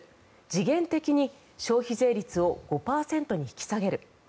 時限的に消費税率を５％に引き下げる。